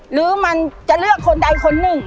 หรือมันจะเลือกคนใดคนหนึ่ง